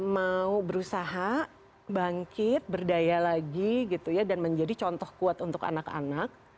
mau berusaha bangkit berdaya lagi gitu ya dan menjadi contoh kuat untuk anak anak